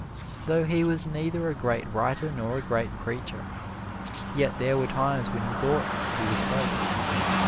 Though he was neither a great writer nor a great preacher, yet there were times when he thought he was both.